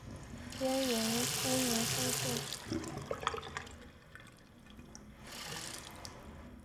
干元初年复改置为深州。